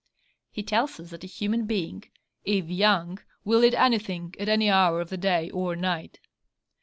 He tells us that a human being, 'if young, will eat anything at any hour of the day or night.'